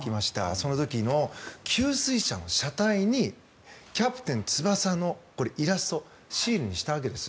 その時の給水車の車体に「キャプテン翼」のイラストシーンにしたわけです。